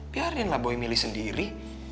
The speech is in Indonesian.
biarinlah boy milih sendiri